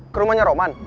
ke rumahnya romain